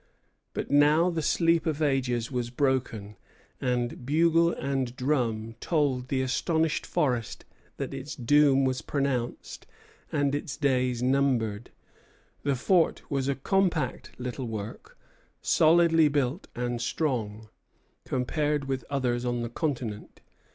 But now the sleep of ages was broken, and bugle and drum told the astonished forest that its doom was pronounced and its days numbered. The fort was a compact little work, solidly built and strong, compared with others on the continent.